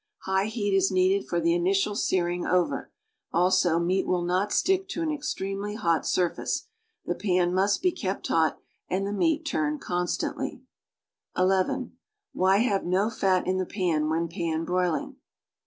Higii heat is needed for the iuilitil setiring over, also meat will nfit stick to an extremely hot surface. The jjan must he kept hot ;ind the meat ttirned constantly. (11) Why ha\'e no fat in the pan when pan broiling.